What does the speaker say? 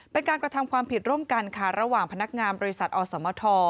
เป็นการกระทำความผิดร่วมกันค่ะระหว่างพนักงานบริษัทอสมท